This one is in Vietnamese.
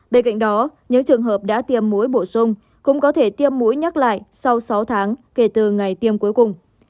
bên cạnh đó những trường hợp đã tiêm mũi bổ sung cũng có thể tiêm mũi nhắc lại sau sáu tháng kể từ ngày tiêm cuối cùng